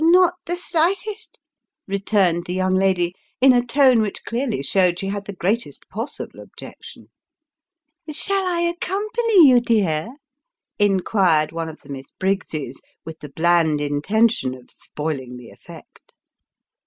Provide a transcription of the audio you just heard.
not the slightest," returned the young lady, in a tone which clearly showed she had the greatest possible objection. " Shall I accompany you, dear ?" inquired one of the Miss Briggses, with the bland intention of spoiling the effect.